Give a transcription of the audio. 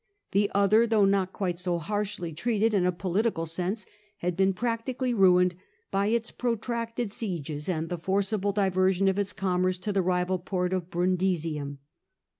The other, though not quite so harshly treated in a political sense, had been practically ruined by its protracted sieges and the forcible diversion of its commerce to the rival poi t of Brundisium.